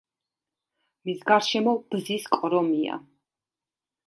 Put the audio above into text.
მის გარშემო ბზის კორომია.